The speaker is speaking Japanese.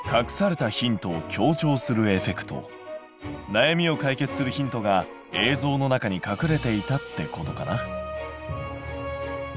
なやみを解決するヒントが映像の中に隠れていたってことかな。